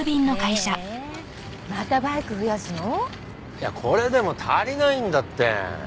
いやこれでも足りないんだって。